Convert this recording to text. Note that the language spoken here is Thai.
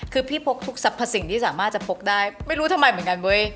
คือพี่พกทุกสรรพสิ่งที่สามารถจะพกได้ไม่รู้ทำไมเหมือนกันเว้ย